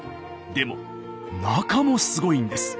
でも中もすごいんです。